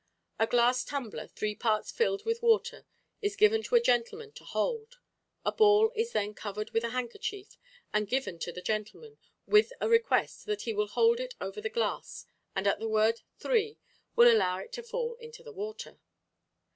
A glass tumbler three parts filled with water is given to a gentleman to hold. A ball is then covered with a handkerchief and given to the gentleman, with a request that he will hold it over the glass and at the word "three" will allow it to fall into the water.